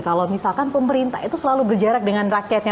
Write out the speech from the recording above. kalau misalkan pemerintah itu selalu berjarak dengan rakyatnya